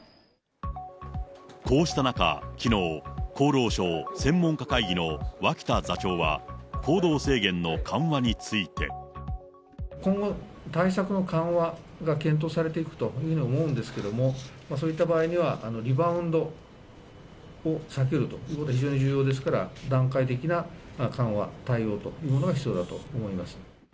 こうした中、きのう、厚労省専門家会議の脇田座長は、行動制限の緩和について。今後対策の緩和が検討されていくというふうに思うんですけど、そういった場合には、リバウンドを避けるということが非常に重要ですから、段階的な緩和、対応というものが必要だと思います。